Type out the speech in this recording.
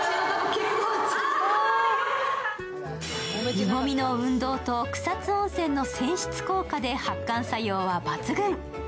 湯もみの運動と草津温泉の泉質効果で発汗作用は抜群。